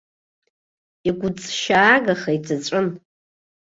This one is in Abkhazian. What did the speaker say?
Игәыҵшьаагаха иҵәыҵәын.